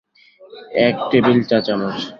এক টেবিল চা চামচ।